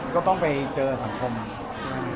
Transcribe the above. ก็ต้องไปเจอสังคมใช่ไหม